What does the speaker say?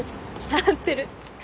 合ってる。